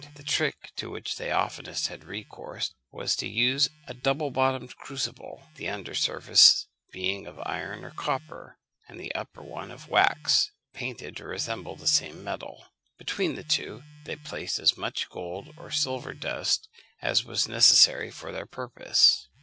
The trick to which they oftenest had recourse was to use a double bottomed crucible, the under surface being of iron or copper, and the upper one of wax, painted to resemble the same metal. Between the two they placed as much gold or silver dust as was necessary for their purpose.